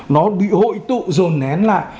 nó bị hội tụ dồn nén lại